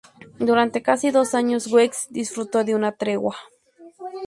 Durante casi dos años Wessex disfrutó de una tregua.